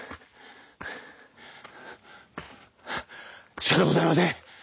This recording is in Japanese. しかたございません！